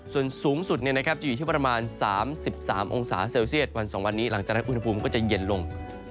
ส่วนสูงสุดจะอยู่ที่ประมาณ๓๓องศาเซลเซียตวัน๒วันนี้หลังจากนั้นอุณหภูมิก็จะเย็นลง